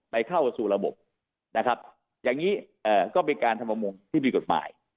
เข้าสู่ระบบนะครับอย่างนี้ก็เป็นการทำประมงที่มีกฎหมาย